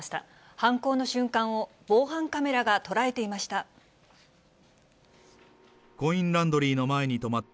犯行の瞬間を防犯カメラが捉えていました。